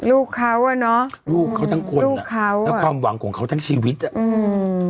ลูกเค้าอะเนาะลูกเค้าทั้งคนน่ะแล้วความหวังของเค้าทั้งชีวิตอ่ะ